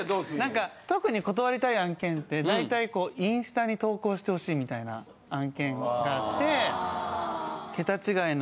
何か特に断りたい案件って大体インスタに投稿してほしいみたいな案件があって。